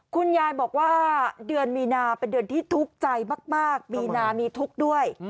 คุณยายบอกว่าเดือนมีนาเป็นเดือนที่ทุกข์ใจมากมีนามีทุกข์ด้วย